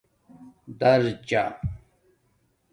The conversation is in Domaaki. دَرچہ